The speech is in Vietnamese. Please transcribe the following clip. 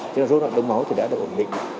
chức năng rốt đoạn đống máu thì đã độ ổn định